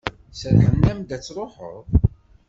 Serrḥen-am-d ad d-truḥeḍ?